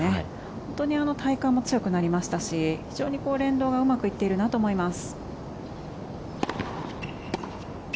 本当に体幹も強くなりましたし非常に連動がうまくいっているなと思います。